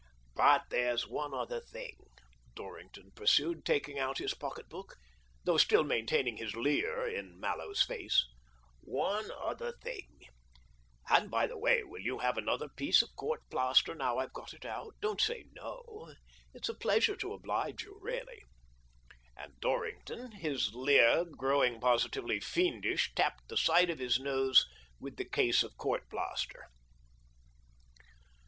"But there's one other thing," Dorrington pursued, taking out his pocket book, though still maintaining his leer in Mallows's face —" one other thing And by the way, will you have another piece of court plaster now I've got it out ? Don't say no. It's a plea sure to oblige you, really." And Dorrington, his leer growing positively fiendish, tapped the side of his nose with the case of court plaster.